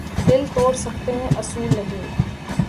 دل توڑ سکتے ہیں اصول نہیں